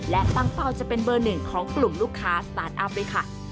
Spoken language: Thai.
และตั้งเป้าจะเป็นเบอร์หนึ่งของกลุ่มลูกค้าสตาร์ทอัพด้วยค่ะ